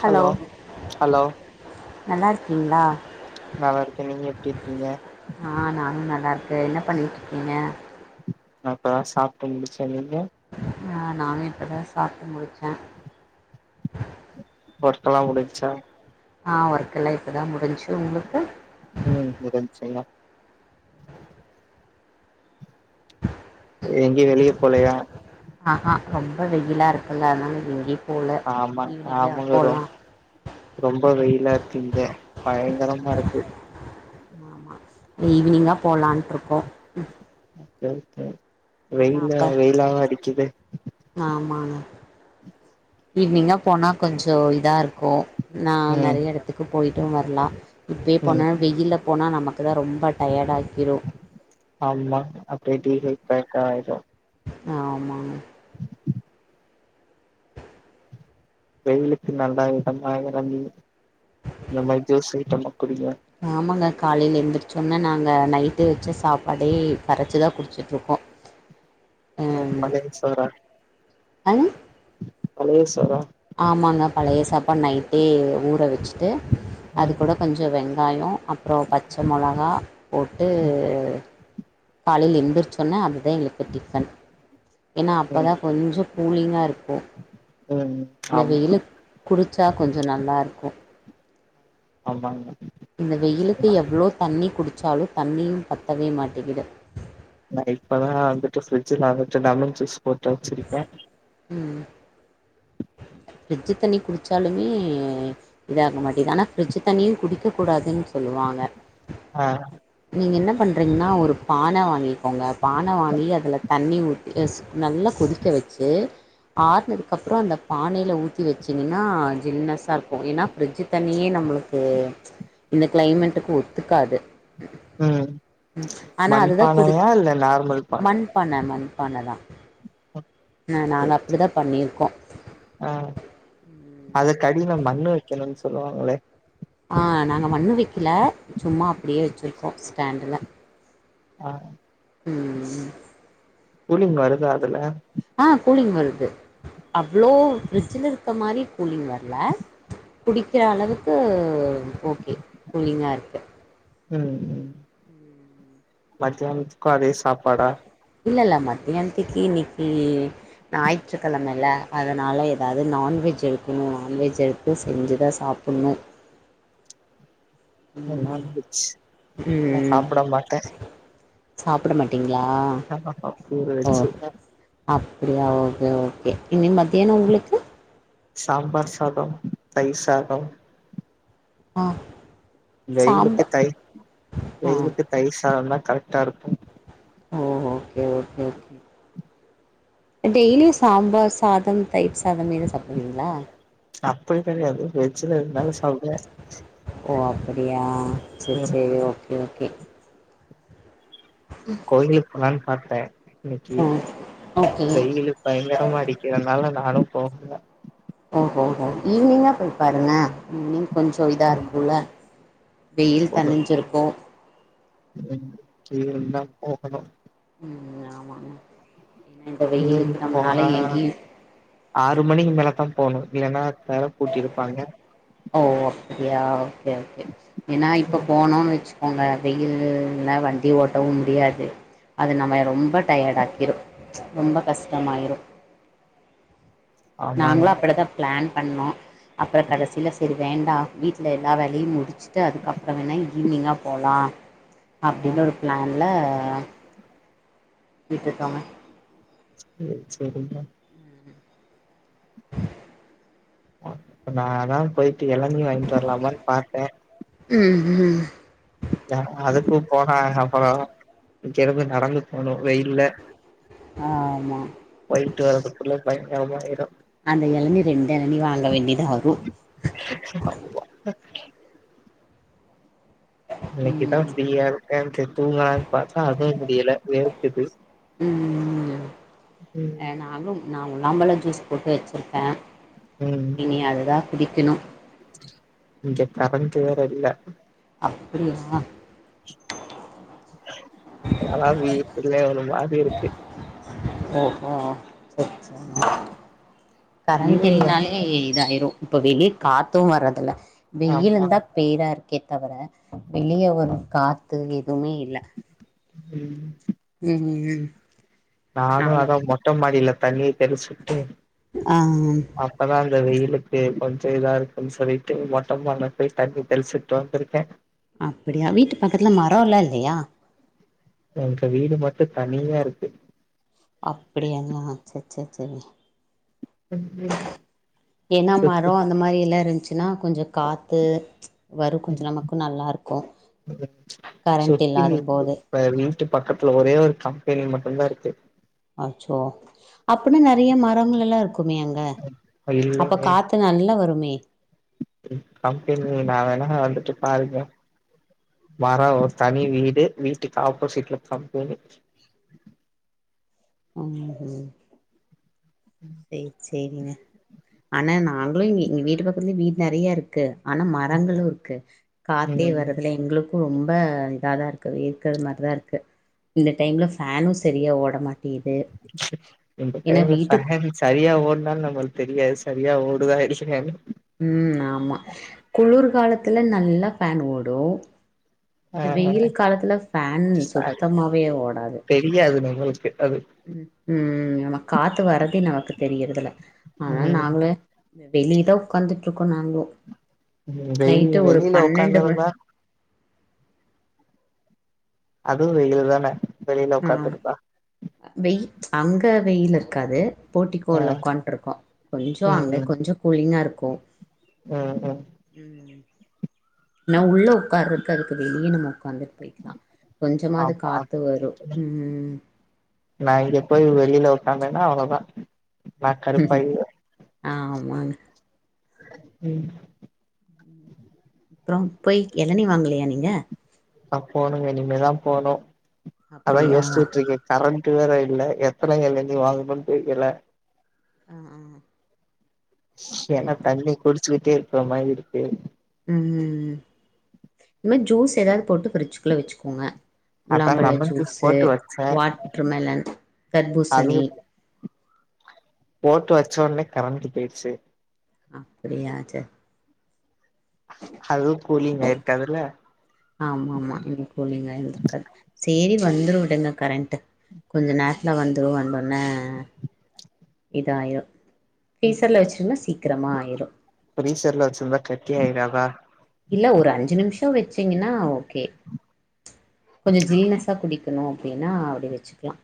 Hello hello நல்லா இருக்கீங்களா நல்லா இருக்கே நீங்க எப்டி இருக்கீங்க ஆ நானு நல்லா இருக்கே என்ன பண்ணிட்டு இருக்கீங்க நா இப்ப தா சாப்ட்டு முடுச்சே நீங்க ஆ நானு இப்பதா சாப்ட்டு முடிச்சே ஒர்க்லா முடிஞ்ச்சா ஆ ஒர்க்கெல்லா இப்ப தா முடிஞ்ச்சி உங்களுக்கு ம் உதவி செய்யலாம் எங்கயு வெளிய போலையா ஆஹா ரொம்ப வெயிலா இருக்குல்ல அதனால எங்கே ஆமா ஆமாங்கருன் ரொம்ப வெயிலா இருக்குங்க பயங்கரமா இருக்கு ஈவ்னிங்கா பேலான்ட்டு இருக்கோ செரி ச ஏன்னா வெயில்ல அப்போ வெயில்லாவ அடிக்குது ஆமாங்க ஈவ்னிங்கா போனா கொஞ்சோ இதா இருக்கு நா ம் நெறைய எடத்துக்கு போயிட்டு வர்லா இப்பயே ம் போனா வெயில்ல போனா நமக்கு தா ரொம்ப டயட் ஆக்கிரு ஆமா அப்டியே டி வி பேக் க ஆயிடு ஆமா வெயிலுக்கு நல்லா இதமா இறங்கி இந்த மாரி ஜூஸ்‌ ஐய்ட்டமா குடிங்க ஆமங்க காலையில எழுந்திரச்சோன்னோ நாங்க நைட்டு வச்ச சாப்பாடே கரச்சுதா குட்ச்சிட் ருக்கோ உ பழைய சோறா அன் பழைய சோறா ஆமாங்க பழைய சாப்பாடு நைட்டே ஊற வச்சுட்டு அது ம் கூட கொஞ்ச வெங்காயோ அப்புறோ பச்ச மொளகா போட்டு காலையில எந்திரச்சோன்னே அதுதா எங்களுக்கு டிஃபன் ஏன்னா ம் அப்பதா கொஞ்சோ கூலிங்கா இருக்கு ம் இந்த ஆமா வெயிலுக் குடிச்சா கொஞ்சோ நல்லாருக்கு ஆமாங்க இந்த வெயிலுக்கு எவ்வளோ தண்ணி குடிச்சாலு தண்ணியு பத்தவே மாட்டிக்கிது நா இப்பதா வந்துட்டு ஃப்ர்ட்ஜீல வந்துட்டு லமன் ஜூஸ் போட்டு வச்சிருக்கே ம் ஃப்ரிஜ் தண்ணி குடிச்சாலுமே இதாக மாட்டேது ஆனா ஃபிர்ட்ஜ் தன்னியு குடிக்க கூடாதுன்னு சொல்லுவாங்க ஆ நீங்க என்ன பண்றீங்கன்னா ஒரு பான வாங்கிக்கோங்க பான வாங்கி அதுல தண்ணி ஊத்தி ஸ் நல்லா கொதிக்க வச்சு ஆறுனதுக்கப்புறோ அந்த பானையில ஊத்தி வச்சிங்கன்னா ஜில்னஸாக இருக்கு ஏன்னா ஃப்ரிட்ஜ் தண்ணியே நம்மளுக்கு இந்த கிளைமேட்டுக்கு ஒத்துக்காது ம் ம் ஆனா அதுதா குடுக் மண்பானையா இல்ல நார்மல் பானையா மண்பான மண்பான தா ம் நாங்க சேரி சேரி அப்டி தா பண்ணிருக்கோ ஆ அதுக்கடில மண்ணு வெக்கணுன் சொல்லுவாங்களே ஆ‌ நாங்க மண்ணு வெக்கல சும்மா அப்டியே வெச்சுருக்கோ ஸ்டாண்டுல ஆ ம் ம் கூலிங் வருதா அதுல ஆ கூலிங் வருது அவ்ளோ ஃப்ரிட்ஜில இருக்க மாரி கூலிங் வர்ல குடிக்கிற அளவுக்கு ஓகே கூலிங்கா இருக்கு ம் ம் மத்தியனாதுக்கு அதே சாப்பாடா இல்லல்ல மத்தியானத்திக்கு இன்னைக்கு ஞாயிற்றுக்கெழமல அதனால எதாவ்து நான்வெஜ் எடுக்கணு நான்வெஜ் எடுத் து செஞ்சு தா சாப்பிட்ணு நா ம் நான்வெஜ் நா சாப்பிட மாட்டே சாப்புட மாட்டீங்ளா ஆமாப்பா வெறு வெஜ்ஜுதா அப்டியா ஓகே ஓகே இன்னைக்கு மத்தியான உங்களுக்கு சாம்பார் சாத தயிர் சாத ஆ வெயிலுக்கு சாம்பார் தயிர் ஆ வெயிலுக்கு தயிர் சாதந்தா கரெக்டா இருக்கு ஓ ஓகே ஓகே ஓகே டெய்லியு சாம்பார் சாதம் தயிர் சாதம் இதா சாப்டுவீங்ளா அப்டி கெடையாது வெஜ்ல எது இருந்தாலு சாப்டுவே ஓ அப்புடியா சேரி ம் சேரி ஓகே ஓகே கோயிலுக்கு போலான்னு பாத்தே இன்னைக்கி ம் ஓகே வெயிலு பயங்கரமா அடிக்கு அதுனால நாளைக்கு போகனுங்க ஓஹோஹோ ஈவ்னிங்கா போய் பாருங்க ஈவினிங் கொஞ்ச இதா ம் இருக்குல்ல வெயில் ஒரு தனிஞ்சிருக்கு ம் ஈவ்னிங்தா போகணு ம் ஆமாங்க ஏனா இந்த ஈவினிங் வெயிலுக்கு நம்மனால போனா எங்கேயு ஆறு மணிக்கு மேலதா போணு இல்லனா தெர பூட்டிருப்பாங்க ஓ அப்புடியா ஓகே ஓகே ஏனா இப்ப போனோனு வச்சு கோங்க வெயில்லு இந்த மாரி வண்டி ஓட்டவு முடியாது அது நம்மள ரொம்ப டயர்ட் ஆக்கிரு ரொம்ப கஷ்டமாயிரு ஆமாங்க நாங்களு அப்டி தா பிளான் பண்ணோ அப்பற கடைசில சேரி வேண்டா வீட்ல எல்லா வேலையு முடிச்சுட்டு அதுக்கப்றோ வேணா ஈவ்னிங்கா போலா ஆ அப்டின்னு ஒரு பிளான்ல விட்டுட்டோங்க சேரி சேரிங்க இப்ப நா தா போயிட்டு எளநி வாங்கிட்டு வர்லாமானு பாத்தே ம் ம் ஏ அதுக்கு போனா அப்பறோ ஜாலியா நடந்து ஆனா வெயில்ல ஆமா போயிட்டு வர்றதுக்குள்ள பயங்கரமா ஆயிரு அந்த எளநி ரெண்டு எளநி வாங்க வேண்டியதா வரு இன்னைக்கு தா ம் ஃப்ரீயா இருக்கே செரி தூங்கலான் பாத்தா அதுவு முடியல வேர்க்குது ம் ம் நாங்ளும் ந உ நாம்பழோ ஜூஸ் போட்டு வெச்சிருக்கே ம் இனி அதுதா குடிக்கனு இங்க கரண்ட்டு வேற இல்ல அப்படியா ஆனால் வீட்டுல ஒரு மாத்ரி இருக்கு ஓ ஓ செர் சே கரண்ட் ஈவினிங் இல்னாலே இதாயிரு இப்ப வெளி காத்து வர்றதில்ல வெயில் ஆமா இருந்தா பேரா இருக்கே தவிர வெளிய ஒரு காத்து எதுமே இல்ல ம் ம் ம் நானு ஆமா அதா மொட்ட மாடியில தண்ணிய தெளிச்சுட்டு ஆ அப்பதா அந்த வெயிலுக்கு கொஞ்ச இதா இருக்குன் சொல்லீட்டு மொட்ட மாடில போய் தண்ணி தெளிச்சுட்டு வந்திருக்கே அப்படியா வீட்டு பக்கத்துல மரோலா இல்லியா எங் வீடு மட்டு தனியா இருக்கு அப்படியாண்ணா செர் செர் செரி ஏனா சுத்தி மரோ அந்த மாரி எல்லா இருந்ச்சின்னா கொஞ்ச காத்து வரு கொஞ்ச நமக்கு நல்லாருக்கு கரண்ட் சுத்தி இல்லாதம் போது இப்ப எ வீட்டு பக்கத்துல ஒரே ஒரு கம்பெனி மட்டுந்தா இருக்கு அச்சோ அப்பன்னா நெறைய மரங்கள் எல்லா இருக்குமே அங்க அப்ப இல்லைங்க காத்து அ நல்லா வருமே கம்பெனில நா வேணா வந்துட்டு பாருக்க தாரா ஒரு தனி வீடு வீட்டுக்கு ஆப்போசிட்ல கம்பெனி ம் ஹும் ம் சேர் சேரிங்க ஆனா நாங்களு எங் எங்க வீட்டு பக்கத்துலயு வீடு நெறையா இருக்கு ஆனா மரங்களு இருக்கு காத்தே ம் வரதில்ல எங்களு க்கு ரொம்ப இதாதா இருக்கு வேர்கற மாரிதா இருக்கு இந்த டைமில ஃபேனு சரியா ஓடமாட்டிக்து இந்த டைம்ல ஃபேனு சரியா ஓட்னாலு நம்மளுக்கு தெரியாது சரியா ஓடுதா இல்லையானு ம் ஆமா குளிர் காலத்துல நல்லா ஃபேன் ஓடு இந்த வெயில் ஆ காலத்துல ஃபேன் சுத்தமாவே ஓடாது தெரியாது நம் [unintelligible] க்கு அது ம் ம் நம்ம காத்து வரறதே நமக்கு தெரியறதில்ல ஆனா ம் நாங்களே வெளிய தா உக்காந்துட்ருக்கோ நாங்களு ம் நைட்டு வெயில் ஒரு வெளியில பன்னெண்டு மணி உக்காந்துருந்தா அதுவு வெயிலு தான வெளில ஆ உக்காந்துருந்தா வெய் அங்க வெயிலு இருக்காது போட்டி ஆ கோல்ல உக்காந்ட்ருக்கோ கொஞ்சோ ம் அங்க ம் கொஞ்சோ கூலிங்கா இருக்கு ம் ம் ம் நா உள்ள உக்காறக்கு அதுக்கு வெளிய நம்மோ உக்காந்துட் போய்க்லா கொஞ்சமாது ஆமா அது காத்து வரு கரெக்ட்டுதா ம் ம் நா இங்க போய் வெளியில உக்காந்தேன்னா அவ்ளோதா நா கருப்பாயிருவே ஆமாங்க ம் அப்றோ போய் எளனி வாங்கலையா நீங்க அ போணுங்க இனிமேதா போணு அதா அப்படியா ஆ யோச்ட்ருக்கே கரண்ட் வேற இல்ல எத்தன எலனி வாங்கணன்னு தெரில அ அ ஏனா தண்ணி குடிச்சுக்கிட்டே இருக்குற மாரி இருக்கு ம் இது மாரி ஜூஸ் ஏதாது போட்டு பிரிஜ்சு குள்ள வச்சுக்கோங்க அதா முலாம்பழ லெமன் ஜூஸ் ஜூஸூ போட்டு வச்சே வாட்ரு மெலன் அது தர்பூசணி போட்டு வச்சோட்னே கரண்ட்டு பெய்டுச்சு அப்டியா சேர் அது கூலிங் ஆய்ருக்காதுல்ல ஆமா ஆமா இது கூலிங்கா ஆய்ந்ருக்காது சரி வந்துரு விடுங்க கரண்ட்டு கொஞ்சோ நேரத்துல வந்ரு வந்தோனே இதாயிரு ஃப்ரீஸர்ல வச்சுருந்தா சீக்ரமா ஆயிரு ப்ரீஸர்ல வச்சிருந்தா கட்டியாயிறாதா இல்ல ஒரு அஞ்சு நிம்ஷோ வச்சீங்ன்னா ஓகே கொஞ்சோ ஜில்னஸா குடிக் ககனு அப்டின்னா அப்டி வச்சிக்லா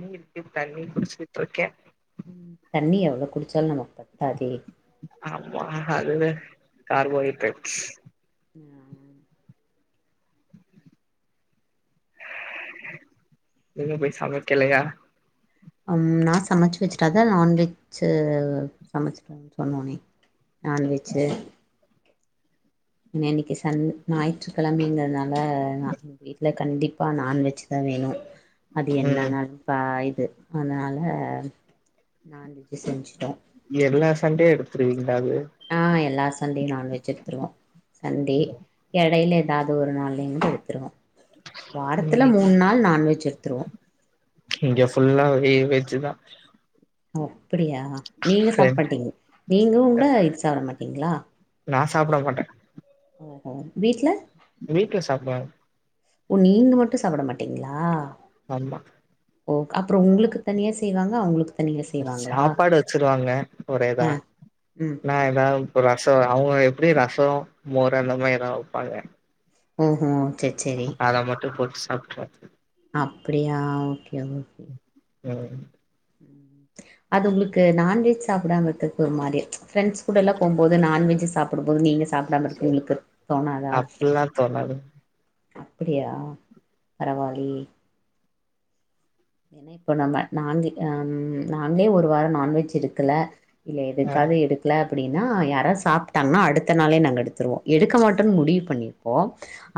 ம் இப்ப தண்ணி குடிச்சிட்ருக்கே ம் தண்ணி எவ்ளோ குடிச்சாலு நமக்கு பத்தாதே ஆமா அதுவே கார்போஹைட்ரேட்ஸ் இன்னு போய் சமைக்கலையா நா சமைச்சு வச்சுட்டே அதா நான்வெஜ்ஜு சமைச்சிடேனு சொன்னேனே நான்வெஜ்ஜூ ஏன்னா இன்னைக்கு சன் ஞாயிற்றுக்கெழமைங்றதுனால வீட்ல கண்டிப்பி நான்வெஜ்தா வேணு அது ம் என்னென்ன பாய்து அதனால நான்வெஜ்ஜூ செஞ்சுட்டோ எல்லா சண்டேயு எடுத்துருவீங்ளா அது அ எல்லா சண்டேயு நான்வெஜ் எடுத்துருவோ சண்டடே எடையில ஏதாவ்து ஒரு நாள்லயு போய் எடுத்துருவோ வாரத்துல ம் மூண் நாள் நான்வெஜ் எடுத்துருவோ இங்க ஃபுல்லா ஒரு வெஜ்ஜூதா ஓ அப்டியா நீங்க சாப்பட்டீங்க நீங்க கூட இது சாப்ட மாட்டீங்ளா நா சாப்டமாட்டே ஒ ஒஹோ வீட்ல வீட்ல சாப்டுவாங்க ஒ நீங்க மட்டு சாப்ட மாட்டிங்ளா ஆமா ஓக் அப்றோ உங்ளுக்கு தனியா செய்வாங்க அவுங்ளுக்கு சாப்பாடு வச்சிருவாங்க ஒரேதா ஆ ம் நா ஏதாவ்து ரசோ அவுங்க எப்டியு ரசோ மோர் அந்த மாரி எதா வைப்பாங்க ம் ம் அது மட்டு போட்டு சாப்டுக்குவோ அப்டியா ஓகே ஓகே ம் ம். அது உங்களுக்கு நான்வெஜ் சாப்டாமா இருக்குறதுக்கு ஒரு மாரி ஃப்ரெண்ட்ஸ் கூட எல்லா போம்போது நான்வெஜ் சா சப்புடும்போது நீங்க சாப்டாம இருக்கு சேரி உங்களுக்கு தோணாதா அப்டில்லா தோணாது அப்டியா பரவால்லே இப்போ நம்ம நாங்க நாங்களே ஒரு வார நான்வெஜ் எடுக்கல இல்ல அ எதுக்காது எடு ல அப்டின்னா யாரது சாப்ட்டாங்கன்னா அடுத்த நாளே நாங்க எடுத்துடுவோ எடுக்க மாட்டோன்னனு முடிவு பண்ணியிருப்போ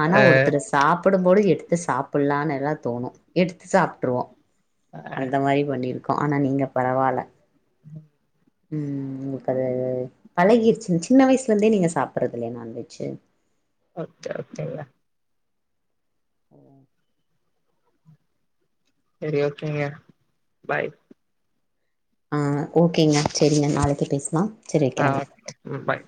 ஆனா அ ஒருத்தர் சாப்டு போது எடுத்து சாப்டலாம்னு எல்லா தோணு எடுத்து சாப்ட்டுருவோ அ அந்த மாரி பண்ணியிருக்கோ ஆனா நீங்க பரவால்ல ம் உங்களுக்கு அது பழகிடுச்சு சின்ன வயசுல இருந்தே நீங்க சாப்டறது இல்லயா நாண்வெஜ் ஓகே ஓகேங்க ம் சேரி ஓகேங்க பாய் ஆ ஓகேங்க சேரிங்க நாளைக்கு பேசுலா ஆ ஓக் ம் பாய்